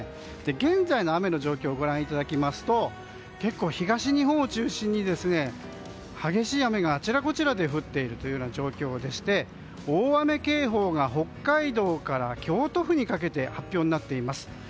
現在の雨の状況をご覧いただきますと結構、東日本を中心に激しい雨があちらこちらで降っている状況でして大雨警報が北海道から京都府にかけて発表になっています。